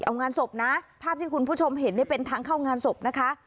เอางานศพนะภาพที่คุณผู้ชมเห็นนี่เป็นทางเข้างานศพนะคะ